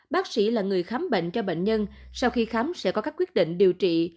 bác sĩ là người khám bệnh cho bệnh nhân sau khi khám sẽ có các quyết định điều trị